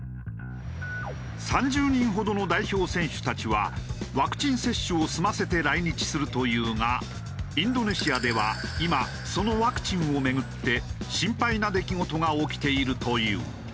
３０人ほどの代表選手たちはワクチン接種を済ませて来日するというがインドネシアでは今そのワクチンを巡って心配な出来事が起きているという。